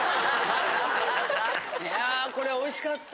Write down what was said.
いやこれはおいしかった！